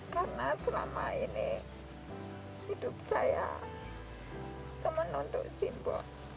karena selama ini hidup saya teman untuk simbo